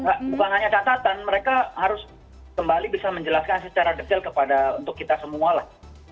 bukan hanya catatan mereka harus kembali bisa menjelaskan secara detail kepada untuk kita semua lah